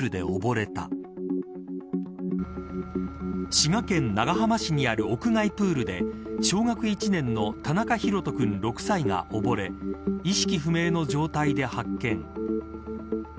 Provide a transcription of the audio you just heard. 滋賀県長浜市にある屋外プールで小学１年の田中大翔君、６歳がおぼれ意識不明の状態で発見。